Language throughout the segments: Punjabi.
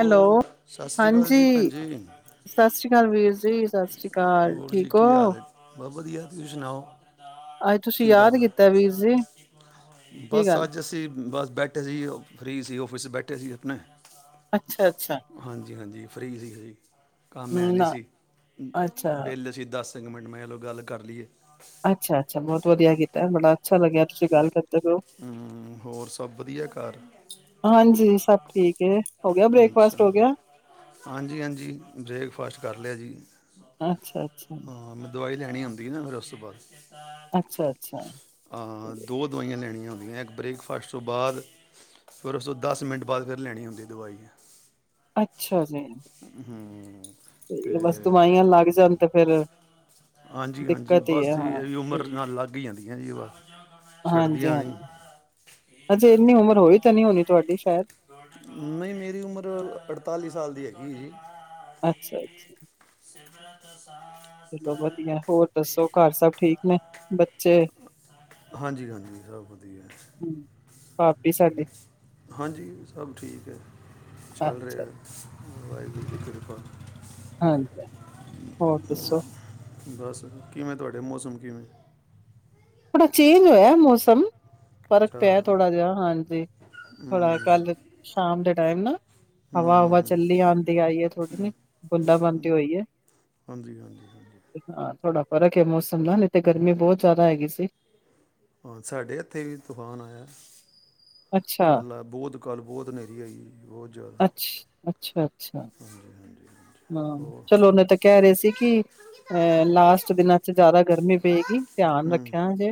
ਓ ਸਤਿ ਸ੍ਰੀ ਅਕਾਲ ਹਾਂਜੀ ਜੀ ਭੈਣ ਜੀ ਸਤਿ ਸ੍ਰੀ ਅਕਾਲ ਵੀਰ ਜੀ ਸਤਿ ਸ੍ਰੀ ਅਕਾਲ ਹੋਰ ਜੀ ਠੀਕ ਕੀ ਹੋ। ਹਾਲ ਹੈ ਬਹੁਤ ਵਧੀਆ ਤੁਸੀਂ ਸੁਣਾਓ। ਅੱਜ ਤੁਸੀਂ ਕੀ ਕਰ ਯਾਦ ਕੀਤਾ ਵੀਰ ਜੀ, ਰਹੇ? ਕੀ ਬਸ ਗੱਲ? ਅੱਜ ਅਸੀਂ ਬਸ ਬੈਠੇ ਸੀ ਉਹ ਫਰੀ ਸੀ ਔਫਿਸ ਚ ਬੈਠੇ ਸੀ ਅਪਣੇ ਅੱਛਾ- ਅੱਛਾ। ਫ੍ਰੀ ਸੀ ਅਸੀ। ਕੰਮ ਹੈ ਨਹੀਂ ਸੀ, ਅੱਛਾ। ਵੇਹਲੇ ਸੀ ਦੱਸ ਤਿਨ ਮਿੰਟ ਮੈਂ ਚੱਲੋ ਗੱਲ ਕਰ ਲਈਏ। ਅੱਛਾ- ਅੱਛਾ, ਬਹੁਤ ਵਧੀਆ ਕੀਤਾ ਬੜਾ ਅੱਛਾ ਲੱਗਿਆ ਤੁਸੀਂ ਗੱਲ ਕਰ ਹੈਲੋ ਹਮ, ਹੋਰ ਸਭ ਵਧੀਆ ਘਰ ਹਾਂਜੀ ਸਭ ਠੀਕ [unintelligible] ਬ੍ਰੇਕਫਾਸਟ ਅੱਛਾ ਹੋ ਗਿਆ? ਹਾਂਜੀ ਹਾਂਜੀ ਬ੍ਰੇਕਫਾਸਟ ਕਰ ਲਿਆ ਜੀ। ਅੱਛਾ-ਅੱਛਾ, ਹਾਂ, ਮੈਂ ਦਵਾਈ ਲੈਣੀ ਹੁੰਦੀ ਹੈ ਨਾ ਫਿਰ ਉਸ ਤੋਂ ਬਾਅਦ। ਅੱਛਾ-ਅੱਛਾ, ਅੱਛਾ ਅੱਛਾ ਹਾਂ, ਦੋ ਦਵਾਈਆਂ ਲੈਣੀਆਂ ਇੱਕ ਬ੍ਰੇਕਫਾਸਟ ਤੋਂ ਬਾਅਦ ਫਿਰ ਉਸ ਤੋਂ ਦਸ ਮਿੰਟ ਬਾਅਦ ਫਿਰ ਲੈਣੀ ਹੁੰਦੀ ਦਵਾਈ। [inaudible] ਅੱਛਾ ਜੀ। [inaudible] ਤੇ ਬਸ ਦਵਾਈਆਂ ਲੱਗ ਜਾਣ ਤੇ ਫੇਰ ਹਾਂਜੀ ਹਾਂਜੀ ਦਿੱਕਤ ਹੀ ਬਸ ਐ, ਇਹ ਹਾਂ ਹੈ ਵੀ ਉਮਰ ਨਾਲ ਲੱਗ ਹੀ ਜਾਂਦੀਆਂ ਜੀ ਬਸ ਹਾਂਜੀ, ਛੱਡਦੀਆਂ ਨਹੀਂ ਹਾਂਜੀ ਹਜੇ ਇੰਨੀ ਉਮਰ ਹੋਈ ਤਾਂ ਨੀ ਹੋਣੀ ਤੁਆਡੀ। ਹੋਰ ਨਈਂ ਮੇਰੀ ਉਮਰ ਅੜਤਾਲੀ ਸਾਲ ਦੀ ਹੈਗੀ ਐ ਜੀ। ਅੱਛਾ, ਅੱਛਾ। [inaudible] ਚਲੋ ਵਧੀਆ ਹੋਰ ਦੱਸੋ ਘਰ ਸਭ ਠੀਕ ਨੇ। ਬਚ ਹਾਂਜੀ, ਹਾਂਜੀ ਸਭ ਵਧੀਆ। ਭਾਬੀ ਸਾਡੀ ਹਾਂਜੀ ਸਭ ਠੀਕ ਐ, ਚੱਲ ਅੱਛਾ ਰਿਹਾ ਬਸ ਵਾਹਿਗੁਰੂ ਦੀ ਕਿਰਪਾ ਹਾਂਜੀ, ਹੋਰ ਦੱਸੋ ਬਸ ਕਿਵੇਂ ਤੁਹਾਡੇ ਮੌਸਮ ਕਿਵੇਂ ਥੋੜ੍ਹਾ ਚੇਂਜ ਹੋਇਆ, ਮੌਸਮ। ਫਰਕ ਅੱਛਾ ਪਿਆ ਥੋੜਾ ਜਿਹਾ, ਹਾਂਜੀ ਹੂੰ ਥੋੜਾ ਕੱਲ ਸ਼ਾਮ ਦੇ ਟਾਈਮ ਨਾ। ਹੂੰ ਹੂੰ ਹਵਾ, ਹਵਾ ਹੂੰ। ਚੱਲੀ ਆੰਦੀ ਆਈ ਐ, ਥੋੜ੍ਹੀ ਨ ਬੁੰਦਾ ਬੰਦੀ ਹੋਈ ਐ, ਹਾਂਜੀ ਹਾਂਜੀ ਹਾਂਜੀ ਹਾਂ ਥੋੜਾ ਫਰਕ ਏ ਮੌਸਮ ਦਾ ਨਈਂ ਤੇ ਗਰਮੀ ਬਹੁਤ ਜ਼ਿਆਦਾ ਹੈਗੀ ਸੀ। [unintelligible] ਹਾਂ, ਸਾਡੇ ਇੱਥੇ ਵੀ ਤੂਫਾਨ ਆਇਆ। ਅੱਛਾ ਕਲ ਅ ਬੋਤ ਕੱਲ੍ਹ ਬਹੁਤ ਨੇਰ੍ਹੀ ਆਈ ਏ ਬਹੁਤ ਜ਼ਿਆਦਾ ਅੱਛ ਅੱਛਾ। ਅੱਛਾ। ਹਾਂਜੀ ਹਾਂਜੀ ਹਾਂਜੀ ਹਾਂ ਹੋਰ ਚਲੋ ਨਹੀਂ ਤੇ ਕਹਿ ਰਹੇ ਸੀ ਕਿ, ਅ ਲਾਸਟ ਦਿਨਾਂ ਚ ਜ਼ਿਆਦਾ ਗਰਮੀ ਪਏਗੀ ਧਿਆਨ ਹੂੰ ਰੱਖਿਆ ਜੇ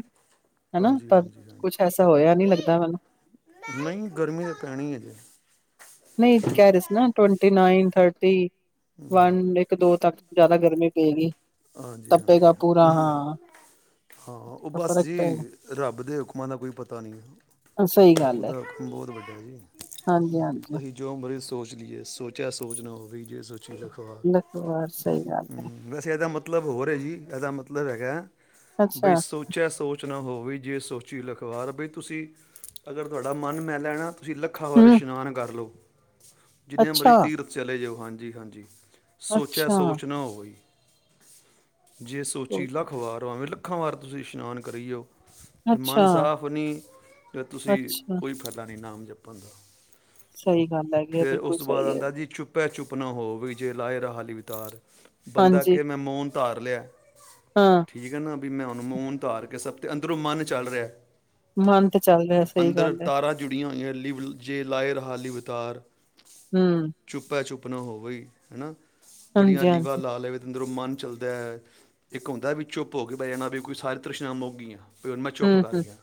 ਹਨਾਂ! ਹਾਂਜੀ ਪਰ ਹਾਂਜੀ ਕੁਛ ਐਸਾ ਹੋਇਆ ਨੀ ਲੱਗਦਾ ਮੈਨੂੰ। ਹਾਂਜੀ ਨਹੀਂ ਗਰਮੀ ਤਾਂ ਪੈਣੀ ਹੈ ਜੀ ਨਈਂ ਕਹਿ ਰਹੇ ਸੀ ਨਾ twenty nine, thirty. One, ਇੱਕ, ਦੋ, ਤੱਕ। ਜ਼ਿਆਦਾ ਗਰਮੀ ਪਏਗੀ। ਹਾਂਜੀ, ਤਪੇਗਾ ਹਾਂਜੀ, ਪੂਰਾ ਹਾਂ ਹਾਂ ਉਹ ਤਾਂ ਬਸ ਫ਼ਰਕ ਜੀ ਪਏਗਾ ਰੱਬ ਦੇ ਹੁਕਮਾਂ ਦਾ ਕੋਈ ਪਤਾ ਨਹੀਂ ਐ, ਸਹੀ ਗੱਲ ਹੈ ਉਹਦਾ ਹੁਕਮ ਬਹੁਤ ਵੱਡਾ ਜੀ ਹਾਂਜੀ ਹਾਂਜੀ ਅਸੀ ਜੋ ਮਰੀਜ਼ ਸੋਚ ਲਈਏ, ਸੋਚਿਆ ਸੋਚ ਨਾ ਹੋਵੀ ਜੇ ਸੋਚ ਲਖਵਾਰ ਸਹੀ ਗੱਲ ਹੈ। ਹਮ ਵੈਸੇ ਇਹਦਾ ਮਤਲਬ ਹੋਰ ਹੈ ਜੀ, ਇਹਦਾ ਮਤਲਬ ਹੈਗਾ। ਬਈ ਅੱਛਾ ਸੋਚਿਆ ਸੋਚ ਨਾ ਹੋਵੇ ਜੇ ਸੋਚੀ ਲਖਵਾਰ, ਬਈ ਤੁਸੀਂ ਅਗਰ ਤੁਹਾਡਾ ਮਨ ਮੈਲਾ ਹੇ ਨਾ ਤੁਸੀਂ ਲੱਖਾਂ ਵਰ ਹਮ ਇਸ਼ਨਾਨ ਕਰ ਲਉ। ਜਿਨੇ ਮਰਜੀ ਅੱਛਾ ਤੀਰਥ ਚਲੇ ਜਾਓ। ਹਾਂਜੀ-ਹਾਂਜੀ। ਸੋਚਿਆ ਅੱਛਾ ਸੋਚ ਨਾ ਹੋਈ। ਜੇ ਸੋਚੀ ਲੱਖ ਵਾਰ ਪਾਵੇ ਲ ਲੱਖਾ ਵਾਰ ਤੁਸੀਂ ਇਸ਼ਨਾਨ ਕਰੀ ਜਾਓ। ਜੈ ਮਨ ਅੱਛਾ ਸਾਫ਼ ਨਹੀਂ, ਤੇ ਤੁਸੀਂ ਅੱਛਾ ਕੋਈ ਫਾਇਦਾ ਨਹੀਂ ਨਾਮ ਜਪਣ ਦਾ ਸਹੀ ਗੱਲ ਹੈਗੀ ਏ ਫਿਰ ਉਸ ਬਿਲਕੁਲ ਤੋਂ ਬਾਅਦ ਸਹੀ ਹੈ। ਆਂਦਾ ਜੀ ਚੁੱਪੈ ਚੁੱਪ ਨਾ ਹੋਵੇ ਜੇ ਲਾਏ ਰਹਾ ਲੀਵਤਾਰ ਹਾਂਜੀ। ਮੈਂ ਮੋਨ ਧਾਰ ਲਿਆ। ਹਾਂ ਠੀਕ ਹੈ ਨਾ। ਮੈਂ ਹਨੂੰ ਮੋਨ ਧਾਰ ਕੇ ਸਭ ਤੇ ਅੰਦਰੋਂ ਮਨ ਚੱਲ ਰਿਹਾ। ਮਨ ਤੇ ਚੱਲ ਰਿਹਾ ਸਹੀ ਅੰਦਰ ਗੱਲ ਹੈ ਤਾਰਾਂ ਜੁੜੀਆਂ ਹੋਈਆ, ਲਿਵ ਜੇ ਲਾਏ ਰਿਹਾ ਲਿਵ ਤਾਰ ਹਮ ਚੁੱਪਾ-ਚੁੱਪ ਨਾ ਹੋਵੇ ਹਨਾ। ਬੜੀਆਂ ਹਾਂਜੀ ਲਿਵਾ ਹਾਂਜੀ ਲਾ ਲਵੇ ਅੰਦਰੋਂ ਮਨ ਚੱਲਦਾ, ਇੱਕ ਹੁੰਦਾ ਵਿੱਚੋ ਭੋਗ ਪੇ ਜਾਣਾ ਵੀ ਸਾਰੀ ਤਰੀਸ਼ਨਾ ਮੁਕ ਗਈਆਂ। ਫੇਰ ਮੈਂ ਚੁੱਪ ਹਮ ਕਰ ਹਮ ਗਿਆ,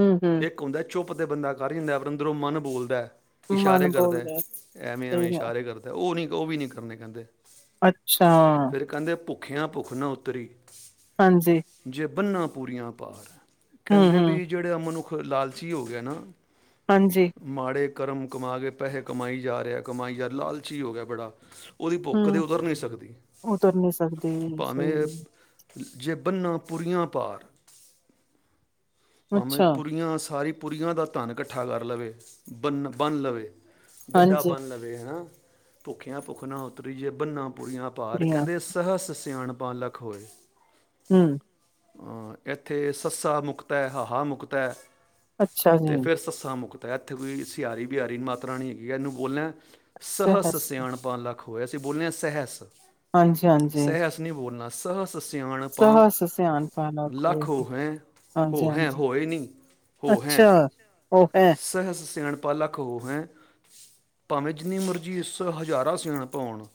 ਹਮ ਹਮ ਇੱਕ ਹੁੰਦਾ ਚੁੱਪ ਉ ਤੇ ਬੰਦਾ ਕਰ ਜਾਂਦਾ, ਪਰ ਅੰਦਰੋਂ ਮਨ ਬੋਲਦਾ। ਇਸ਼ਾਰੇ ਮਨ ਕਰਦਾ, ਬੋਲ ਰਿਹਾ ਐਵੇਂ-ਐਵੇਂ ਸਹੀ ਗੱਲ ਇਸ਼ਾਰੇ ਕਰਦਾ, ਉਹ ਨਹੀਂ। ਉਹ ਵੀ ਨਹੀਂ ਕਰਨੇ ਕਹਿੰਦੇ। ਅੱਛਾ। ਫਿਰ ਕਹਿੰਦੇ ਭੁੱਖ ਭੁੱਖਿਆ ਭੁੱਖ ਨਾ ਉੱਤਰੀ। ਹਾਂਜੀ। ਬੰਨਾ ਪੂਰੀਆਂ ਪਾਰ ਕਹਿੰਦੇ ਹੂੰ-ਹੂੰ, ਵੀ ਜਿਹੜੇ ਮਨੁੱਖ ਲ ਲਾਲਚੀ ਹੋ ਗੇ ਨਾ। ਹਾਂਜੀ। ਮਾੜੇ ਕਰਮ ਕਮਾ ਕੇ ਪੈਸਹੇ ਕਮਾਈ ਜਾ ਰੇਯਾ ਏ, ਕਮਾਈ ਜਾ ਰੇਯਾ ਏ, ਲਾਲਚੀ ਹੋ ਗੇਆ ਬੜਾ। ਓਦੀ ਭੁੱਖ ਕਦੇ ਉਦਰ ਨੀ ਸਕਦੀ। ਉਤਰ ਨੀ ਸੱਕਦੀ ਸਹੀ ਭਾਵੇਂ ਜੇ ਬੰਨਾ ਪੁਰੀਆ ਭਾਰ ਭਾਵੇਂ ਅੱਛਾ, ਪੁਰੀਆਂ ਸਾਰੀ ਪੁਰੀਆਂ ਦਾ ਧੰਨ ਕੱਠਾ ਕਰ ਲਵੇ ਬੰਨ-ਬੰਨ੍ਹ ਲਵੇ ਗੱਡਾ ਹਾਂਜੀ ਬੰਨ ਲਵੇ ਹਣਾਂ। ਭੁਖੇਆ-ਭੁਖ ਨਾ ਉਤਰੀ ਜੇ ਬੰਨਾ ਪੂਰੀਆ ਭਾਰ। ਭਾਰ ਕੁੜੀਆਂ ਕੈਂਦੇ ਸਹਸ ਸਿਆਣਪ ਤਾ ਲੱਖ ਹੋਏ ਹੂੰ ਐਥੇ ਸੱਸਾ ਮੁਕਤਾ ਐ ਹਾਹਾ ਮੁਕਤਾ ਐ ਅੱਛਾ ਜੀ, ਤੇ ਫੇਰ ਸੱਸਾਂ ਮੁਕ ਤ ਐਥੇ ਕੋਈ ਸਿਆਰੀ ਬਿਆਰੀ ਮਾਤ੍ਰਾ ਨੀ ਹੈਗੀ ਏਨੂੰ ਬੋਲਨੈ ਸਹਸ ਸਿਆਣਪਾ ਲੱਖ ਓ ਅਸੀਂ ਬੋਲਨੇ ਆਂ ਸੇਹੈਸ। ਹਾਂਜੀ-ਹਾਂਜੀ, ਸੇਹਸ ਨਹੀਂ ਬੋਲਨਾ ਸਹਸ ਸਿਆਣਪਾਂ ਸਹਸ ਸਿਆਨ ਪਾਲਾ ਕੋਇ, ਲੱਖ ਹੋਹੈਂ, ਹੋਹੈਂ, ਹਾਂਜੀ-ਹਾਂਜੀ, ਹੋਏ ਨੀ ਹੋਹੈਂ ਅੱਛਾ। ਉਹ ਹੈ ਸਹੈਸ ਸਿਆਣ ਲੱਖ ਹੋਹੈਂ ਭਾਵੇਂ ਜਿੰਨੀ ਮਰਜੀ ਇਸ ਹਜ਼ਾਰਾਂ ਸਿਆਣਪਾਂ ਹੋਣ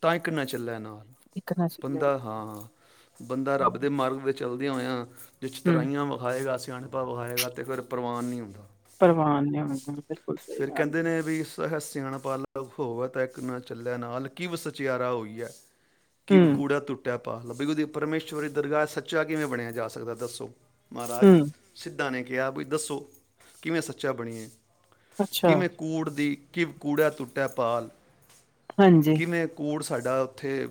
ਤ ਇ ਇੱਕ ਨਾ ਚੱਲੈ ਨਾਲ। ਇੱਕ ਨਾ ਚੁੱਲੇ ਬੰਦਾ ਹਾਂ, ਹਾਂ ਬੰਦਾ ਰੱਬ ਦੇ ਮਾਰਗ ਵਿੱਚ ਚਲਦੀਆਂ ਹੋਆਂ ਜਿ 'ਚ ਹੂੰ, ਤਰਾਈਆਂ ਵਖਾਏਗਾਸ ਸਿਆਣਪਾ ਵਖਾਏਗਾ, ਤੇ ਫਿਰ ਪ੍ਰਵਾਨ ਨਹੀਂ ਹੁੰਦਾ ਪਰਵਾਨ ਨਹੀਂ ਹੋਂਦ ਬਿਲਕੁਲ ਸਹੀ ਫਿਰ ਗੱਲ ਕਹਿੰਦੇ ਐ। ਨੇ ਵੀ ਸਹ [unintelligible] ਹੋਵੈ ਤਾਂ ਏਕ ਨਾ ਚੱਲੈ ਨਾਲ ਕਿਵ ਸਚੇਆਰਾ ਹੋ ਹੋਈਐ ਕਿਵ ਕੂੜੈ ਤੂਟੈ [unintelligible] ਪਰਮੇਸ਼ਵਰ ਈ ਦਰਗਾ ਚ ਸੱਚਾ ਕਿਵੇਂ ਬਣੇਆ ਜਾ ਸਕਦਾ ਦੱਸੋ? ਮਾਰਾਜ ਹੂੰ-ਹੂੰ, ਸਿੱ ਲੋਕਾ ਨੇ ਕੇਆ ਬਈ ਦੱਸੋ, ਕਿਵੇਂ ਸੱਚਾ ਬਣੀਏ? ਅੱਛਾ, ਕਿਵੇੈਂ ਕੂੜ ਦੀ ਕਿਵਕੂੜਾ ਤੁੱਟੈ ਪਾਰ ਹਾਂਜੀ, ਕਿਵੇਂ ਕੋਟਸ ਸਾਡਾ ਉੱਥੇ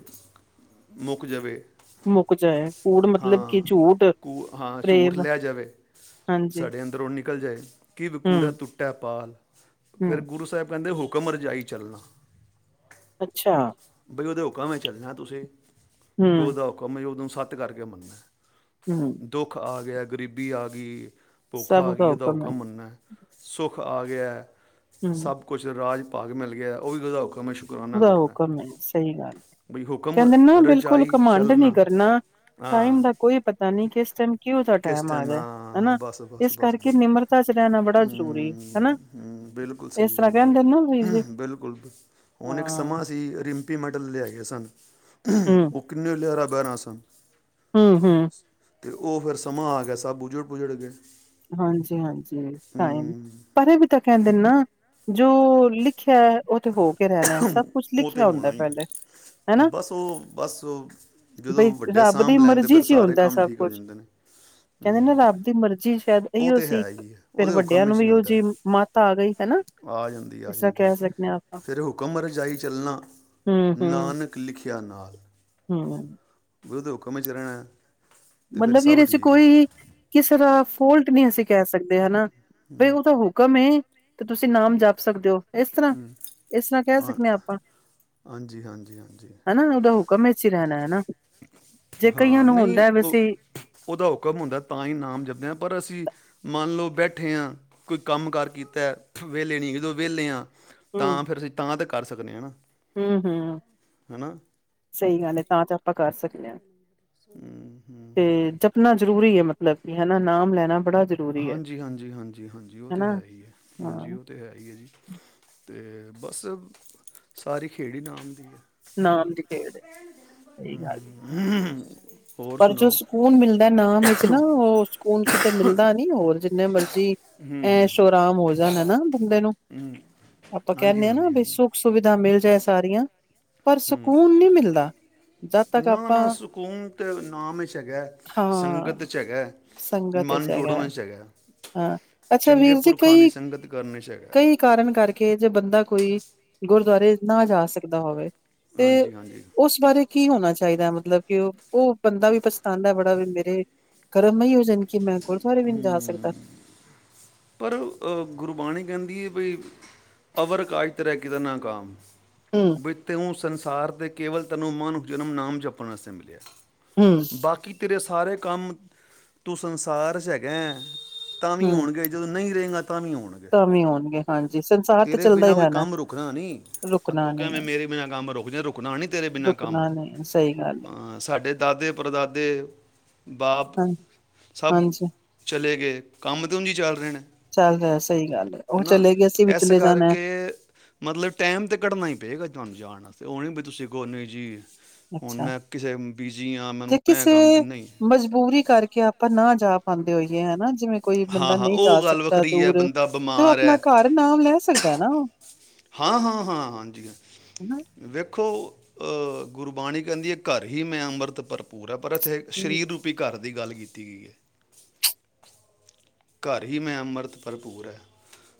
ਮੁੱਕ ਜਾਵੇ ਮੁੱਕ ਜਾਏ ਕੂੜ ਮਤਲਬ ਕਿ ਹਾਂ ਝੂਠ ਕੂ ਹਾਂ ਝੂਠ ਪ੍ਰੇਮ ਲਿਆ ਜਾਵੇ ਹਾਂਜੀ, ਸਾਡੇ ਅੰਦਰ ਉਹ ਨਹੀਂ ਨਿਕਲ ਜਾਏ ਕਿਵ ਕੂੜਾ ਹੂੰ-ਹੂੰ, ਤੁਟੈ ਪਾਰ ਫਿਰ ਗੁਰੂ ਸਾਹਿਬ ਕਹਿੰਦੇ ਹੋ ਕਮਰ ਜਾਈ ਚੱਲਣਾ ਅੱਛਾ ਬਈ ਉਹਦੇ ਹੁਕੁਮ ਮੈਂ ਚੱਲਣਾ ਤੁਸੀਂ ਜੋ ਹੂੰ-ਹੂੰ। ਉਸਦਾ ਹੁਕੁਮ ਏ ਸੱਤ ਕਰਕੇ ਮੰਨਣਾ ਦੁੱਖ ਆ ਗਿਆ ਗ਼ਰੀਬੀ ਆ ਗਈ ਸਭ ਭੁਖਾ ਆ ਗਈ ਉਹਦਾ ਇਹਦਾ ਹੁਕਮ ਕਾ ਹੈ ਮੰਨਨਾ ਸੁੱਖ ਆ ਗਿਆ ਹਮ ਸਭ ਕੁਛ ਰਾਜ ਭਾਗ ਵੀ ਮਿਲ ਗਿਆ ਉਹ ਵੀ ਉਸਦਾ ਹੁਕੁਮ ਉਹਦਾ ਹੁਕਮ ਹੈ ਸਹੀ ਗੱਲ ਬਈ ਹੁਕਮ ਕਹਿੰਦੇ ਨਾ ਬਿਲਕੁਲ ਰਜਾਈ ਘਮੰਡ ਨੀ ਚੱਲਣਾ ਕਰਨਾ ਟਾਈਮ ਹਾਂ ਦਾ ਕੋਈ ਪਤਾ ਨਹੀਂ ਕਿਸ ਟਾਈਮ ਕਿਹੋ ਜਿਹਾ ਕਿਸ ਟਾਈਮ ਆ ਜਾਏ ਹਾਂ ਹਾਂ ਹਨਾ ਬਸ ਬਸ ਇਸ ਬਸ ਕਰਕੇ ਬਸ ਨਿਮਰਤਾ ਚ ਰਹਿਣਾ ਬੜਾ ਜ਼ਰੂਰੀ ਹਨਾ ਬਿਲਕੁਲ ਇਸ ਸਹੀ ਤਰ੍ਹਾਂ ਗੱਲ ਕਹਿੰਦੇ ਨਾ ਵੀਰ ਹੈ ਜੀ ਬਿਲਕੁਲ ਹੁਣ ਇੱਕ ਹਾਂ ਸਮਾਂ ਸੀ [unintelligible] ਲਿਆ ਗਏ ਸਨ ਹਮ ਉਹ ਕਿੰਨੇ [unintelligible] [unintelligible] ਹਮ ਹਮ ਤੇ ਉਹ ਫਿਰ ਸਮਾਂ ਆ ਗਿਆ ਸਭ ਉੱਜੜ ਬੁਝੜ ਗਏ ਹਾਂਜੀ ਹਾਂਜੀ ਟਾਈਮ ਹੂੰ ਪਰ ਵੀ ਤਾਂ ਕਹਿੰਦੇ ਨਾ ਜੋ ਲਿਖਿਆ ਹੋ ਕੇ ਰਹਿਣਾ ਸਭ ਕੁਛ ਉਹ ਤੇ ਲਿਖਿਆ ਹੁੰਦਾ ਹੋਣਾ ਹੀ ਪਹਿਲੇ ਹੈ ਹਨਾ ਬਸ ਉਹ ਬਸ ਉਹ ਜਦੋਂ ਬਈ ਵੱਡੇ ਰੱਬ ਦੀ ਸਾਂਭ ਲੈਣ ਤੇ ਮਰਜੀ ਫਿਰ ਚ ਹੀ ਸਾਰੇ ਹੁੰਦਾ ਕੰਮ ਸਭ ਠੀਕ ਹੋ ਕੁੱਛ ਜਾਂਦੇ ਨੇ ਕਹਿੰਦੇ ਨਾ ਹੂੰ ਰੱਬ ਦੀ ਮਰਜ਼ੀ ਸ਼ਾਇਦ ਉਹ ਇਹੀਓ ਤਾਂ ਸੀ। ਹੈ ਹੀ ਹੈ ਫੇਰ ਉਹਦੇ ਵੱਡਿਆਂ ਹੁਕਮ ਨੂੰ ' ਹੀ ਵੀ ਉਹ ਹੁੰਦਾ ਜੀ ਮੱਤ ਆ ਗਈ ਹਨਾ। ਆ ਜਾਂਦੀ ਆ ਇਸ ਤਰ੍ਹਾਂ ਜਾਂਦੀ ਕਹਿ ਸਕਦੇ ਹਾਂ ਆਪਾਂ ਫਿਰ ਹੁਕਮ ਰਜਾਈ ਚੱਲਣਾ ਹੂੰ, ਨਾਨਕ ਲਿਖਿਆ ਨਾਲ ਹਮ ਉਹਦੇ ਹੁਕੁਮ ਚ ਰਹਿਣਾ ਤੇ ਫਿਰ ਮਤਲਬ ਸਭ ਇਹਦੇ ਚ ਠੀਕ ਹੈ ਕੋਈ ਕਿਸੇ ਦਾ ਫੋਲਟ ਨਹੀਂ ਸੀ ਕਹਿ ਸਕਦੇ ਹਨਾ ਬਈ ਉਹ ਤਾਂ ਹੁਕਮ ਏ ਤੇ ਤੁਸੀਂ ਨਾਮ ਜਪ ਸਕਦੇ ਹੋ ਇਸ ਤਰ੍ਹਾਂ ਇਸ ਤਰ੍ਹਾਂ ਕਹਿ ਸਕਦੇ ਹਾਂ ਆਪਾਂ ਹਾਂਜੀ ਹਾਂਜੀ ਹਾਂਜੀ ਹਨਾ ਉਹਦਾ ਹੁਕਮ ਵਿੱਚ ਹੀ ਰਹਿਣਾ ਹੈ ਜੇ ਕਈਆਂ ਹਾਂ ਨੂੰ ਨਹੀਂ ਹੁੰਦਾ ਵੈਸੇ ਉਹਦਾ ਹੁਕਮ ਹੁੰਦਾ ਤਾਂ ਹੀ ਨਾਮ ਜਪਦੇ ਪਰ ਅਸੀਂ ਮੰਨ ਲਓ ਬੈਠੇ ਹਾਂ ਕੋਈ ਕੰਮ ਕਾਰ ਕੀਤਾ ਵਿਹਲੇ ਨਹੀਂ ਜਦੋਂ ਵਿਹਲੇ ਹਾਂ ਤਾਂ ਫਿਰ ਅਸੀਂ ਤਾਂ ਤੱਕ ਕਰ ਸਕਦੇ ਹੈ ਨਾ ਹਮ ਹਮ ਸਹੀ ਗੱਲ ਹੈ ਤਾਂ ਚ ਆਪਾਂ ਕਰ ਸਕਦੇ ਹਾਂ ਹੂੰ ਹੂੰ ਹੂੰ। ਤੇ ਜਪਣਾ ਜ਼ਰੂਰੀ ਹੈ ਮਤਲਬ ਕਿ ਹਨਾ ਨਾਮ ਲੈਣਾ ਬੜਾ ਜ਼ਰੂਰੀ ਹੈ ਹਾਂਜੀ ਹਾਂਜੀ ਹਾਂਜੀ ਹਾਂਜੀ ਉਹ ਤਾਂ ਹਨਾ ਹੈ ਹੀ ਹੈ ਹਾਂਜੀ ਹਾਂ ਉਹ ਤਾਂ ਹੈ ਹੀ ਹੈ ਜੀ ਤੇ ਬਸ ਸਾਰੀ ਖੇਡ ਹੀ ਨਾਮ ਦੀ ਹੈ ਨਾਮ ਦੀ ਖੇਡ ਸਹੀ ਗੱਲ ਹੋਰ ਪਰ ਜੋ ਸੁਣਾਓ ਸਕੂਨ ਮਿਲਦਾ ਨਾਮ ਵਿੱਚ ਨਾ ਹੂੰ, ਉਹ ਸਕੂਨ ਕਿਤੇ ਮਿਲਦਾ ਨੀ ਹੋਰ ਜਿੰਨੇ ਜੀ ਐਸ਼ੋ ਅਰਾਮ ਹੋ ਜਾਣ ਹਨ ਨਾ ਬੰਦੇ ਆਪਾਂ ਹਾਂਜੀ ਕਹਿੰਦੇ ਹਾਂ ਨਾ ਹਾਂਜੀ ਵੀ ਸੁੱਖ ਸੁਵਿਧਾ ਮਿਲ ਤੇ ਸਾਰੀਆਂ ਪਰ ਹਮ ਸਕੂਨ ਨਹੀਂ ਮਿਲਦਾ ਜਦ ਤੱਕ ਨਾ ਆਪਾਂ ਨਾ ਸਕੂਨ ਤੇ ਨਾਮ ਚ ਹੈਗਾ ਹਾਂ ਸੰਗਤ ਚ ਹੈਗਾ ਸੰਗਤ ਚ ਮਨ ਜੋੜਨ ਹੈ। ਚ ਹੈਗਾ ਹਾਂ ਅੱਛਾ ਚੰਗੇ ਵੀਰ ਜੀ ਪੁਰਖਾਂ ਦੀ ਕਈ ਸੰਗਤ ਕਰਨ ਚ ਹੈਗਾ ਕਈ ਕਾਰਨ ਕਰਕੇ ਕਿ ਜੇ ਬੰਦਾ ਕੋਈ ਗੁਰਦੁਆਰੇ ਨਾ ਜਾ ਸਕਦਾ ਹੋਵੇ ਤੇ ਹਾਂਜੀ ਹਾਂਜੀ ਉਸ ਬਾਰੇ ਕੀ ਹੋਣਾ ਚਾਹੀਦਾ ਮਤਲਬ ਮਤਲਬ ਕਿ ਉਹ ਉਹ ਬੰਦਾ ਵੀ ਪਛਤਾਉਦਾ ਹੈ ਬੜਾ ਵੀ ਮੇਰੇ ਕਰਮ [unintelligible] ਕਿ ਮੈਂ ਗੁਰਦੁਆਰੇ ਵੀ ਨੀ ਜਾ ਸਕਦਾ ਪਰ ਅਹ ਗੁਰਬਾਣੀ ਕਹਿੰਦੀ ਕੀ ਬਈ ਅਵਰ ਕਾਜ ਤੇਰੇ ਕਿ ਦਾ ਨਾਕਾਮ ਹੂੰ, ਬਝਤੇ ਹ ਸੰਸ ਸਾਰ ਕੇਵਲ ਤਨੋ ਮਨ ਜਨਮ ਨਾਮ ਜਪਣ ਵਾਸਤੇ ਮਿਲਿਆ ਹੂੰ, ਸੀ। ਬਾਕੀ ਤੇਰੇ ਸਾਰੇ ਕੰਮ ਤੁਸੀਂ ਸੰਸਾਰ ਚ ਹੈਗਾਂ। ਤਾਂ ਵੀ ਹੂੰ ਹੋਣਗੇ ਜਦੋਂ ਨਹੀਂ ਰਹੇਗਾ ਤਾਂ ਵੀ ਹੋਣਗੇ। ਤਾਂ ਵੀ ਹੋਣਗੇ ਹਾਂਜੀ ਸੰਸਾਰ ਤੇ ਤੇਰੇ ਚੱਲਦਾ ਬਿਨਾਂ ਹੀ ਕੋਈ ਰਹਿਣਾ ਕੰਮ ਰੁਕਣਾ ਨੀਂ, ਆ ਰੁਕਣਾ ਤੂੰ ਨੀ ਕਿਵੇਂ ਹੈ ਮੇਰੇ ਬਿਨਾਂ ਕੰਮ ਰੁਕ ਜੇ ਰੁਕਣਾ ਨੀਂ ਤੇਰੇ ਬਿਨਾਂ ਕੰਮ ਰੁਕਣਾ ਨੀ ਸਹੀ ਗੱਲ ਹੈ ਅਹ ਸਾਡੇ ਦਾਦੇ ਪੜਦਾਦੇ ਬਾਪ ਹਾਂ ਸਭ ਹਾਂਜੀ ਚਲੇ ਗਏ ਕੰਮ ਤੇ ਊਂਝ ਈ ਚੱਲ ਰਿ ਣੇ ਚੱਲ ਰਿਹਾ ਸਹੀ ਗੱਲ ਹੈ ਉਹ ਹਨਾਂ? ਚਲੇ ਗਏ ਅਸੀਂ ਵੀ ਇਸ ਚਲੇ ਜਾਣਾ ਕਰਕੇ ਮਤਲਬ ਟੈਮ ਤੇ ਘੱਢਨਾ ਹੀ ਪਏਗਾ ਤੁਹਾਨੂੰ ਜਾਣ ਅਤੇ ਉਹਨ ਵੀ ਤੁਸੀਂ ਇੱਕ ਕੋ ਨਹੀਂ ਜੀ ਹੁਣ ਅੱਛਾ ਮੈਂ ਕਿਸੇ ਬਿਜ਼ੀ ਆ ਮੈਨੂੰ ਜੇ ਮੈਂ ਕਿਸੇ ਕੰਮ ਨਹੀਂ ਮਜਬੂਰੀ ਕਰਕੇ ਆਪਾਂ ਨਾ ਚਾਹ ਪਾਉਂਦੇ ਹੋਈਏ ਹਨਾਂ! ਜਿਵੇਂ ਕੋਈ ਹਾਂ ਬੰਦਾ ਹਾਂ ਨਹੀਂ ਜਾ ਉਹ ਗੱਲ ਸਕਦਾ ਵੱਖਰੀ ਹੈ ਦੂਰ ਐ, ਬੰਦਾ ਤੇ ਉਹ ਬਿਮਾਰ ਆਪਣਾ ਹੈ ਘਰ ਨਾਮ ਲੈ ਸਕਦਾ ਨਾਂ। ਹਾਂ, ਹਾਂ, ਹਾਂ, ਹਾਂਜੀ। ਹਨਾ ਵੇਖੋ ਗੁਰਬਾਣੀ ਕਹਿੰਦੀ ਐ ਘਰ ਹੀ ਮੈਂ ਅੰਮ੍ਰਿਤ ਪਰ ਪੂਰਾ ਪਰ ਇੱਥੇ ਸਰੀਰ ਰੂਪੀ ਘਰ ਦੀ ਗੱਲ ਕੀਤੀ। ਜੀ ਘਰ ਹੀ ਮੈਂ ਅੰਮ੍ਰਿਤ ਭਰਪੂਰ ਐ।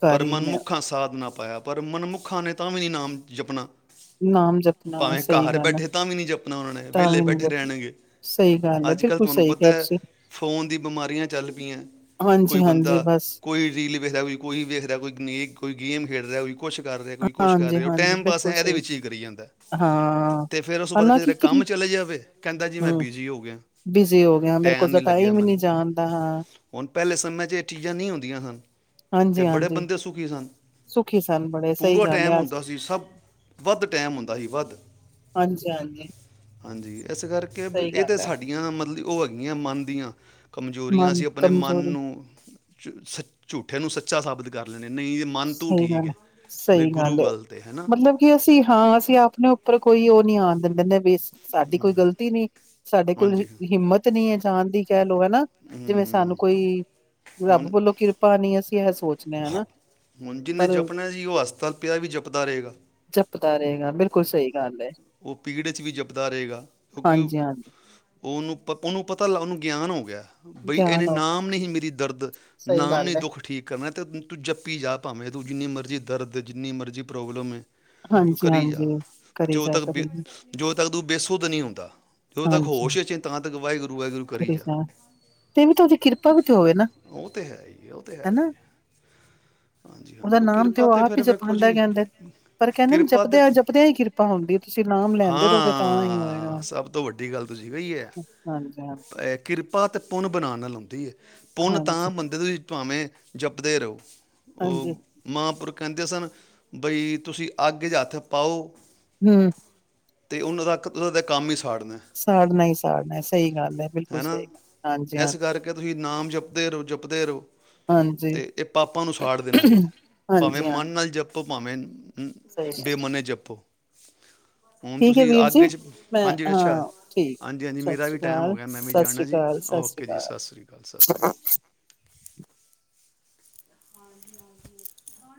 ਘਰ ਪਰ ਹੀ ਮੈਂ ਮਨਮੁੱਖਾਂ ਸਾਧ ਨਾ ਪਾਇਆ ਪਰ ਮਨਮੁੱਖਾਂ ਨੇ ਤਾਂ ਵੀ ਨੀ ਨਾਮ ਜਪਣਾ। ਨਾਮ ਜਪਣਾ ਭਾਵੇਂ ਸਹੀ ਘਰ ਗੱਲ ਹੈ ਬੈਠੇ ਤਾਂ ਵੀ ਨਹੀਂ ਜਪਣਾ ਉਹਨਾਂ ਨੇ ਤਾਂ ਵਿਹਲੇ ਵੀ ਨੀ ਬੈਠੇ ਜਪਣਾ ਰਹਿਣਗੇ ਸਹੀ ਗੱਲ ਹੈ ਅੱਜ ਕੱਲ੍ਹ ਬਿਲਕੁਲ ਤੁਆਨੂੰ ਸਹੀ ਪਤਾ ਕਿਹਾ ਐ ਤੁਸੀਂ ਫੋਨ ਦੀ ਬਿਮਾਰੀਆਂ ਚੱਲ ਪਈਆਂ। ਹਾਂਜੀ ਹਾਂਜੀ ਬੰਦਾ, ਬਸ ਕੋਈ ਰੀਲ ਵੇਖਦਾ, ਕੋਈ ਕੋਈ ਵੇਖਦਾ ਕੋਈ ਨ ਕੋਈ ਗੇਮ ਖੇਡ ਰ ਕੋਈ ਕੁਛ ਕਰਦੇ ਕੋਈ, ਕੁਛ ਕਰ ਰਹੇ ਹੋ, ਉਹ ਹਾਂਜੀ-ਹਾਂਜੀ, ਟਾਈਮ ਬਸ ਬਿਲਕੁਲ ਇਹਦੇ ਸਹੀ ਵਿੱਚ ਹੀ ਕਰੀ ਜਾਂਦਾ ਹਾਂ, ਤੇ ਫਿਰ ਉਸ ਤੋਂ ਬਾਅਦ ਕਿਸੇ ਹਾਲਾਂਕਿ ਦੇ ਕੰਮ ਚਲੇ ਜਾਵੇ, ਕਹਿੰਦਾ ਜੀ ਮੈਂ ਹੂੰ, ਬਿਜ਼ੀ ਹੋ ਗਿਆ ਬਿਜ਼ੀ ਹੋ ਗਿਆ ਮੇਰੇ ਟਾਈਮ ਕੋਲ ਤਾਂ ਨਹੀਂ ਲੱਗਿਆ ਹੀ ਨਹੀਂ ਮੈਨੂੰ ਜਾਣਦਾ ਹਾਂ, ਹੁਣ ਪਹਿਲੇ ਮੈਂ ਚ ਇਹ ਚੀਜ਼ਾਂ ਨਹੀਂ ਹੁੰਦੀਆਂ ਹਨ ਤੇ ਬੜੇ ਹਾਂਜੀ-ਹਾਂਜੀ। ਬੰਦੇ ਸੁਖੀ ਹਾਂ ਸੁਖੀ ਸਨ ਬੜੇ ਸਹੀ ਗੱਲ ਐ, ਸੀ ਸਭ ਵੱਧ ਟਾਈਮ ਹੁੰਦਾ ਸੀ ਵੱਧ ਹਾਂਜੀ ਹਾਂਜੀ ਹਾਂਜੀ। ਇਸ ਕਰਕੇ ਵੀ ਇਹ ਤਾਂ ਸਾਡੀਆਂ ਮਤਲਬ ਉਹ ਹੈਗੀਆਂ ਮੰਨਦੀਆਂ ਕਮਜ਼ੋਰੀਆਂ ਮਨ ਸੀ ਆਪਣੇ ਮਨ ਕਮਜ਼ੋਰੀ ਨੂੰ ਝ ਸ ਝੂਠੇ ਨੂੰ ਸੱਚਾ ਸਾਬਤ ਕਰ ਲੈਂ ਸਹੀ ਗੱਲ ਬਈ ਸਹੀ ਗੁਰੂ ਗੱਲ ਹੈ ਗਲਤ ਹੈਨਾ ਮਤਲਬ ਕਿ ਅਸੀਂ ਹਾਂ ਅਸੀਂ ਆਪਣੇ ਉੱਪਰ ਕੋਈ ਉਹ ਨਹੀਂ ਆਉਣ ਦਿੰਦੇ ਜਿੰਨੇ ਵੀ ਸਾਡੀ ਕੋਈ ਗ਼ਲਤੀ ਨਹੀਂ ਸਾਡੇ ਕੋਲ ਹਾਂਜੀ ਹੂੰ ਹਿੰਮਤ ਨਹੀਂ ਹੈ ਦੀ ਕਹਿ ਹੈ ਨਾ ਜਿਵੇਂ ਸਾਨੂੰ ਹੂੰ ਕੋਈ ਰੱਬ ਹੁਣ ਬੋਲੋ ਕਿਰਪਾ ਨੀ ਅਸੀਂ ਸੋਚਣੇ ਹਨਾ ਜਿਹਨੇ ਜਪਣਾ ਜੀ ਉਹ ਹਸਪਤਾਲ ਪਿਆ ਵੀ ਜਪਦਾ ਰਹੇਗਾ ਪਤਾ ਰਹੇਗਾ ਬਿਲਕੁਲ ਸਹੀ ਗੱਲ ਹੈ। ਉਹ ਪੀੜ 'ਚ ਵੀ ਜਪਦਾ ਰਹੇਗਾ ਹਾਂਜੀ-ਹਾਂਜੀ ਉਹਨੂੰ ਪ ਉਹਨੂੰ ਪਤਾ ਲੱ ਉਹਨੂੰ ਗਿਆਨ ਹੋ ਗਿਆ ਬਈ ਇਹਨੇ ਗਿਆਨ ਹੋਗਾ ਨਾਮ ਨਹੀਂ ਹੀ ਮੇਰੀ ਦਰਦ ਸਹੀ ਨਾਮ ਨੇ ਹੀ ਗੱਲ ਏ। ਦੁੱਖ ਠੀਕ ਕਰਨਾ ਅਤੇ ਤੂੰ ਜੱਪੀ ਜਾ ਭਾਵੇਂ ਤੂੰ ਜਿੰਨੀ ਮਰਜ਼ੀ ਦਰਦ ਜਿੰਨੀ ਮਰਜ਼ੀ ਪ੍ਰੋਬਲਮ ਹੈ ਹਾਂਜੀ ਹਾਂਜੀ ਕਰੀ ਜਾ ਵੀ ਕਰੀ ਜਾ ਜੋ ਤਾਂ ਕਦੋਂ [unintelligible] ਤਾਂ ਨਹੀ ਹੁੰਦਾ ਜਦੋਂ ਤੱਕ ਹਾਂਜੀ ਹੋਸ਼ ਹੈ ਤਾਂ ਤੱਕ ਵਾਹਿਗੁਰੂ [unintelligible] ਵਾਹਿਗੁਰੂ ਕਰੀ ਜਾ ਉਹਦੀ ਕਿਰਪਾ ਵੀ ਤੇ ਹੋਵੇ ਨਾ ਉਹ ਤੇ ਹੈ ਹੀ ਹੈ, ਉਹ ਤੇ ਹੈ ਹੀ ਹਨਾ ਹੈ। ਹਾਂਜੀ ਹਾਂਜੀ ਉਹਦਾ ਨਾਮ ਤੇ ਕਿਰਪਾ ਉਹ ਆਪ ਹੀ ਫਿਰ ਵੇਖੋ ਜਪਾਂਉਂਦਾ ਜੀ ਕਹਿੰਦਾ ਪਰ ਕਹਿੰਦੇ ਕਿਰਪਾ ਤੇ ਜਪਦਿਆਂ ਜਪਦਿਆਂ ਹੀ ਕਿਰਪਾ ਹੁੰਦੀ ਤੁਸੀਂ ਨਾਮ ਲੈਂਦੇ ਰਹੋਗੇ ਤਾਂ ਹੀ ਹੋਏਗਾ ਹਾਂ ਸਭ ਤੋਂ ਵੱਡੀ ਗੱਲ ਤੁਸੀਂ ਕਹੀ ਹੈ ਹਾਂਜੀ ਹਾਂ ਕਿਰਪਾ ਅਤੇ ਪੁੰਨ ਬਣਾਉਣ ਨਾਲ ਆਉਂਦੀ ਹੈ ਪੁੰਨ ਤਾਂ ਹਾਂਜੀ ਬੰਦੇ ਤੁਸੀਂ ਭਾਵੇਂ ਜਪਦੇ ਰਹੋ ਉਹ ਹਾਂਜੀ ਮਾਂਪੁਰ ਕਹਿੰਦੇ ਸਨ ਬਈ ਤੁਸੀਂ ਅੱਗ ਚ ਹੱਥ ਪਾਓ ਹਮ ਤੇ ਉਹਨਾਂ ਦਾ ਦਾ ਕੰਮ ਹੀ ਸਾੜਨਾ ਸਾੜਨਾ ਹੀ ਸਾੜਨਾ ਸਹੀ ਗੱਲ ਹੈ ਬਿਲਕੁਲ ਹਨਾ ਸਹੀ ਗੱਲ ਇਸ ਹਾਂਜੀ-ਹਾਂਜੀ ਕਰਕੇ ਤੁਸੀਂ ਨਾਮ ਜਪਦੇ ਰਹੋ ਜਪਦੇ ਰਹੋ ਹਾਂਜੀ ਤੇ ਇਹ ਪਾਪਾ ਨੂੰ ਸਾੜ ਦੇਣਾ ਇਹਨੇ ਭਾਵੇਂ ਮਨ ਹਾਂਜੀ-ਹਾਂਜੀ ਨਾਲ ਜਪ ਭਾਵੇਂ ਸਹੀ ਬੇ ਮਨੇ ਜਪੋ ਹੁਣ ਠੀਕ ਹੈ ਤੁਸੀਂ ਵੀਰ ਜੀ ਅੱਗ 'ਚ ਮੈਂ ਹਾਂਜੀ ਅੱਛਾ ਹਾਂ ਠੀਕ ਹਾਂਜੀ ਹਾਂਜੀ ਸਤਿ ਮੇਰਾ ਵੀ ਸ੍ਰੀ ਟਾਈਮ ਹੋ ਅਕਾਲ ਗਿਆ ਮੈਂ ਵੀ ਸਤਿ ਸ੍ਰੀ ਜਾਣਾ ਜੀ ਅਕਾਲ ਸਤਿ ਸ੍ਰੀ ਓਕੇ ਜੀ ਅਕਾਲ ਸਤਿ ਸ਼੍ਰੀ ਅਕਾਲ ਸਤਿ ਸ਼੍ਰੀ ਅਕਾਲ ਹਾਂਜੀ ਹਾਂਜੀ